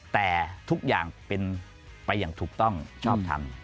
แต่ทุกอย่างเป็นไปอย่างถูกต้องชอบทำ